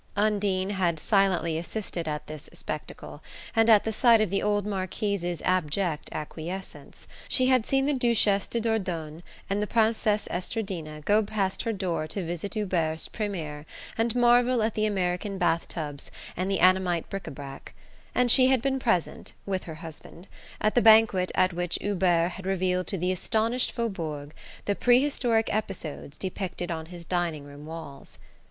Undine had silently assisted at this spectacle, and at the sight of the old Marquise's abject acquiescence; she had seen the Duchesse de Dordogne and the Princesse Estradina go past her door to visit Hubert's premier and marvel at the American bath tubs and the Annamite bric a brac; and she had been present, with her husband, at the banquet at which Hubert had revealed to the astonished Faubourg the prehistoric episodes depicted on his dining room walls.